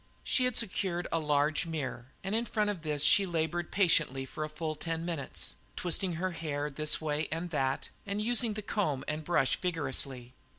She had secured a large mirror, and in front of this she laboured patiently for a full ten minutes, twisting her hair this way and that, and using the comb and brush vigorously.